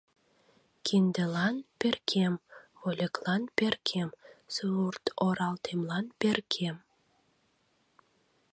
Киндылан — перкем, вольыклан — перкем, сурт-оралтемлан — перкем!